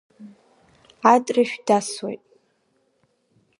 Атрышә дасуеит.